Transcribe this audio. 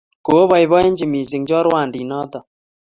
ko oboibochi mising chorwandinoto